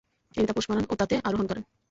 তিনি তা পোষ মানান ও তাতে আরোহণ করেন।